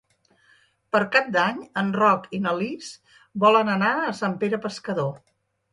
Per Cap d'Any en Roc i na Lis volen anar a Sant Pere Pescador.